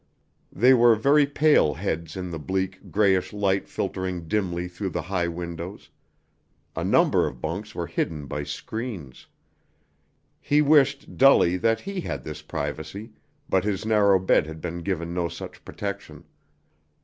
They were very pale heads in the bleak, grayish light filtering dimly through the high windows. A number of bunks were hidden by screens. He wished dully that he had this privacy, but his narrow bed had been given no such protection.